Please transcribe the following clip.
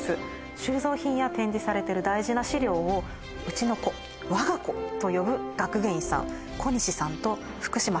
収蔵品や展示されてる大事な資料をうちの子我が子と呼ぶ学芸員さん